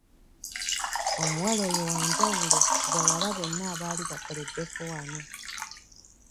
Omuwala oyo wa njawulo ku bawala bonna abaali bakoleddeko wano.